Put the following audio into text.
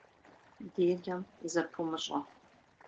Делэм зэпумыщӀэ.